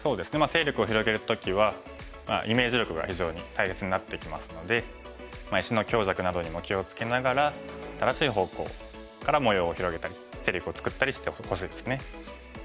勢力を広げる時はイメージ力が非常に大切になってきますので石の強弱などにも気を付けながら正しい方向から模様を広げたり勢力を作ったりしてほしいですね。